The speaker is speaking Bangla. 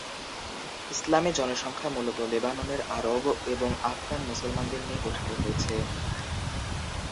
ইসলামি জনসংখ্যা মূলত লেবাননের আরব এবং আফগান মুসলমানদের নিয়ে গঠিত হয়েছে।